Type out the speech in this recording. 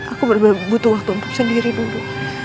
aku bener bener butuh waktu untuk sendiri dulu